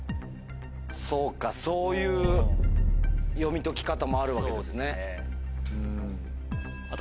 そうかそういう読み解き方もあるわけですね。